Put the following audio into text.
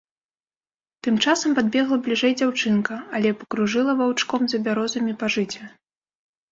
Тым часам падбегла бліжэй дзяўчынка, але пакружыла ваўчком за бярозамі па жыце.